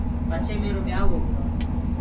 پڇي ميرو ٻيآوٚ هوگو۔